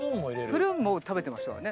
プルーンも食べてましたからね